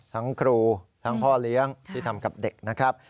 ครูทั้งพ่อเลี้ยงที่ทำกับเด็กนะครับ